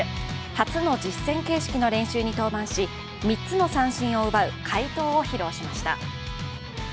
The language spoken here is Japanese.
初の実戦形式の練習に登板し、３つの三振を奪う快投を披露しました。